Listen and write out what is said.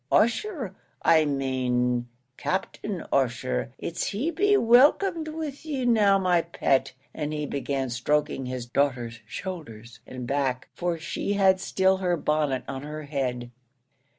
Ussher, I main Captain Ussher it's he'd be welcome with you now, my pet," and he began stroking his daughter's shoulders and back, for she had still her bonnet on her head.